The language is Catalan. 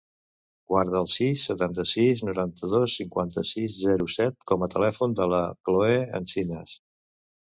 Guarda el sis, setanta-sis, noranta-dos, cinquanta-sis, zero, set com a telèfon de la Chloé Encinas.